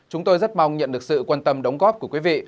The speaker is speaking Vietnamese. chúng tôi rất mong nhận được sự quan tâm đóng góp của quý vị